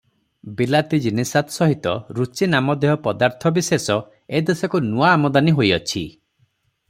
ବିଲାତି ଜିନିସାତ୍ ସହିତ ରୁଚିନାମଧେୟ ପଦାର୍ଥବିଶେଷ ଏ ଦେଶକୁ ନୂଆ ଆମଦାନୀ ହୋଇଅଛି ।